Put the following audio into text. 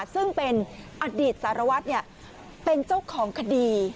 ซึ่งเป็นอดีตสารวัตรเป็นเจ้าของคดี